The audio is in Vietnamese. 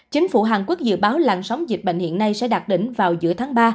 chính phủ hàn quốc dự báo làn sóng dịch bệnh hiện nay sẽ đạt đỉnh vào giữa tháng ba